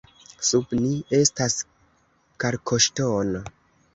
Sub ni estas kalkoŝtono.